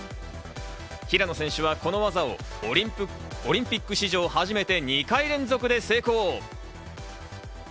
平野選手はこの技をオリンピック史上初めて２回連続で成功。